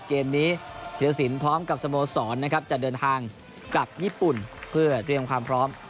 เกมนี้ธิรสินพร้อมกับสโมสรนะครับจะเดินทางกลับญี่ปุ่นเพื่อเตรียมความพร้อม